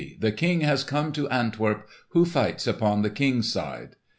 The King has come to Antwerp! Who fights upon the King's side?"